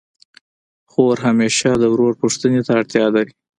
خور همېشه د ورور پوښتني ته اړتیا لري.